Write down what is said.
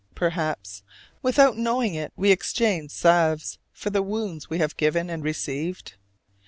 Perhaps without knowing it we exchange salves for the wounds we have given and received?